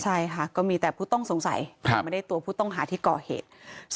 ใช่ค่ะก็มีแต่ผู้ต้องสงสัยไม่ได้ตัวผู้ต้องหาที่ก่อเหตุ